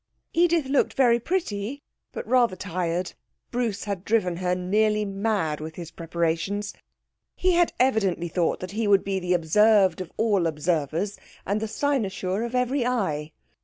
Edith looked very pretty, but rather tired. Bruce had driven her nearly mad with his preparations. He had evidently thought that he would be the observed of all observers and the cynosure of every eye.